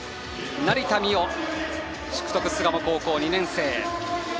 成田実生、淑徳巣鴨高校２年生。